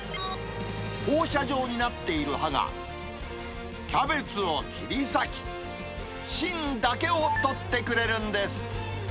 放射状になっている刃が、キャベツを切りさき、芯だけを取ってくれるんです。